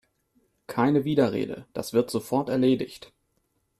Keine Widerrede, das wird sofort erledigt!